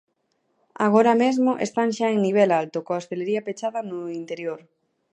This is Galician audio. Agora mesmo, están xa en nivel alto, coa hostalería pechada no interior.